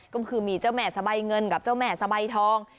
ก็คือมีเจ้าแม่สะใบเงินกับเจ้าแม่สะใบทอง